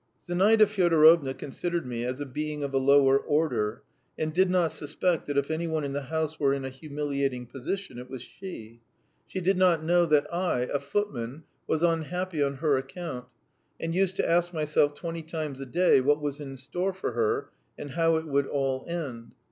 Zinaida Fyodorovna considered me as a being of a lower order, and did not suspect that if any one in the house were in a humiliating position it was she. She did not know that I, a footman, was unhappy on her account, and used to ask myself twenty times a day what was in store for her and how it would all end.